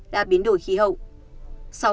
là biến đổi khí hậu